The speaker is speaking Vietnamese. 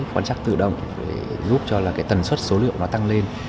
quan chắc tự động để giúp cho tần suất số liệu tăng lên